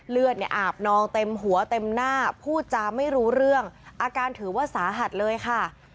เลือดเนี่ยอาบนองเต็มหัวเต็มหน้าพูดจาไม่รู้เรื่องอาการถือว่าสาหัสเลยค่ะ